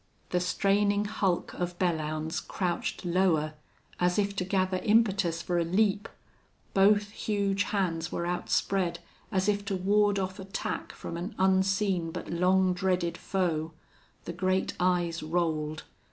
The straining hulk of Belllounds crouched lower, as if to gather impetus for a leap. Both huge hands were outspread as if to ward off attack from an unseen but long dreaded foe. The great eyes rolled.